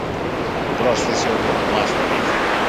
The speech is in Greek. πρόσθεσε ο πρωτομάστορης.